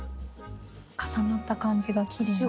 重なった感じが奇麗に。